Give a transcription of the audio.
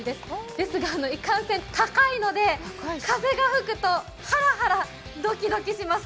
ですが、いかんせん高いので、風が吹くとハラハラドキドキします。